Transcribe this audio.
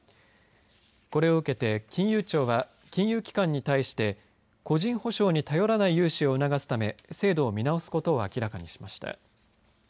これを受けて金融庁は金融機関に対して個人保証に頼らない融資を促すため制度を見直すことを明らかにしました。